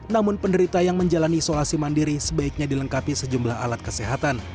namun penderita yang menjalani isolasi mandiri sebaiknya dilengkapi sejumlah alat kesehatan